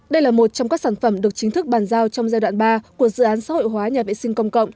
đây là một trong các sản phẩm được chính thức bàn giao trong giai đoạn ba của dự án xã hội hóa nhà vệ sinh công cộng